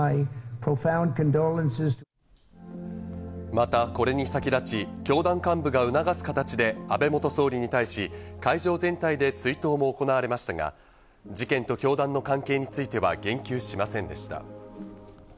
また、これに先立ち、教団幹部が促す形で安倍元総理に対し、会場全体で追悼も行われましたが、事件と教団の関係については言及しませんでした。